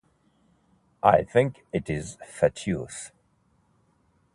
I think it is fatuous.